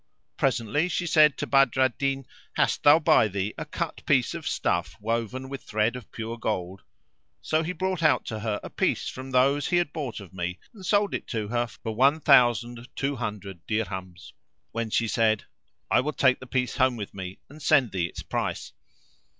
Presently she said to Badr al Din, "Hast thou by thee a cut piece of stuff woven with thread of pure gold?" So he brought out to her a piece from those he had bought of me and sold it to her for one thousand two hundred dirhams; when she said, "I will take the piece home with me and send thee its price."